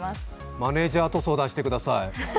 マネージャーと相談してください。